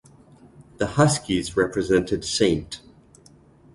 The Huskies represented St.